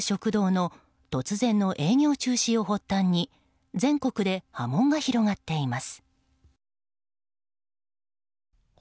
ある食堂の突然の営業中止を発端に全国で波紋が広がっています。